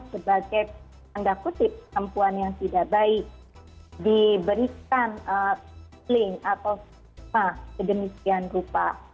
sebagai tanda kutip perempuan yang tidak baik diberikan kling atau segenisian rupa